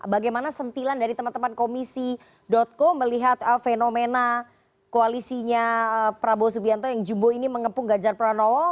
bagaimana sentilan dari teman teman komisi co melihat fenomena koalisinya prabowo subianto yang jumbo ini mengepung ganjar pranowo